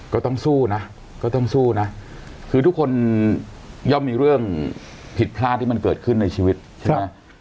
ก็ต้องสู้นะก็ต้องสู้นะคือทุกคนย่อมมีเรื่องผิดพลาดที่มันเกิดขึ้นในชีวิตใช่ไหม